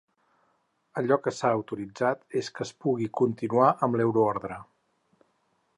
Allò que s’ha autoritzat és que es pugui continuar amb l’euroordre.